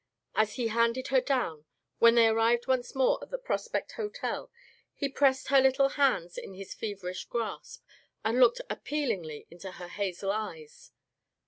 As he handed her down, when they arrived once more at the Prospect Hotel, he pressed her little hands in his feverish grasp, and looked appealingly into her hazel eyes.